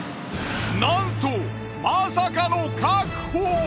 なんとまさかの確保。